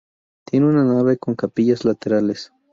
Tiene una nave con capillas laterales.